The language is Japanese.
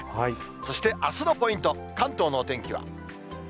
そしてあすのポイント、関東のお天気は。